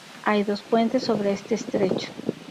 Hay dos puentes sobre este estrecho.